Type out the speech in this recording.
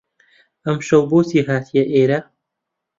ئەمشەو بۆچی هاتیە ئێرە؟